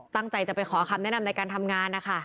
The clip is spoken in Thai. ตั้งใจจะไปขอคำแนะนำในการทำงานนะคะ